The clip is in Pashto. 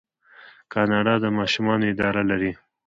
کاناډا د ماشومانو اداره لري.